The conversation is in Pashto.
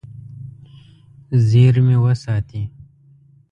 زیرمې وساتي.